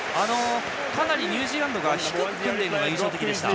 かなりニュージーランドが低く組んでいるのが印象的でした。